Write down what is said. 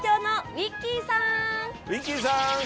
ウィッキーさん。